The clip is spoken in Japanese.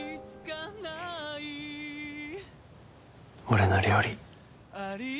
俺の料理。